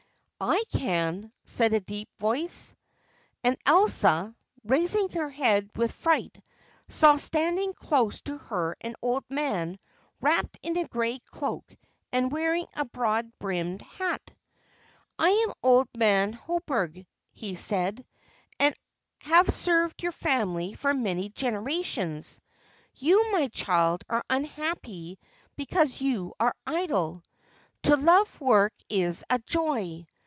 "I can," said a deep voice. And Elsa, raising her head with fright, saw standing close to her an old man wrapped in a gray cloak and wearing a broad brimmed hat. "I am Old Man Hoberg," he said, "and have served your family for many generations. You, my child, are unhappy because you are idle. To love work is a joy.